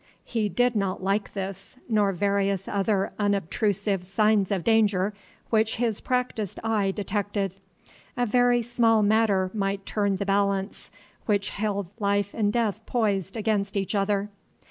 He did not like this, nor various other unobtrusive signs of danger which his practised eye detected. A very small matter might turn the balance which held life and death poised against each other.